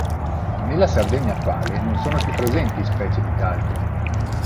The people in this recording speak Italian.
Nella Sardegna attuale non sono più presenti specie di talpe.